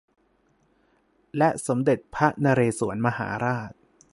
และสมเด็จพระนเรศวรมหาราช